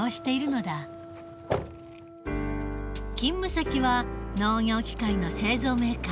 勤務先は農業機械の製造メーカー。